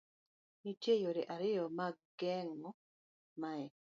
Nitie yore ariyo mag geng'o mae